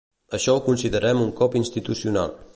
Això ho considerem un cop institucional.